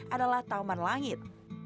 adalah taman langit